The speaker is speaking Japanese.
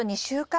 ２週間。